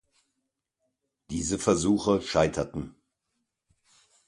Diese Versuche scheiterten.